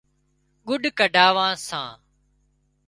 ڳُڏ ڪڍاوان سان